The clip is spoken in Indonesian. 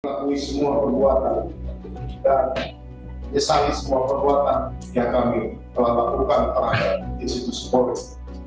mengakui semua perbuatan dan desain semua perbuatan yang kami telah lakukan terhadap institusi polis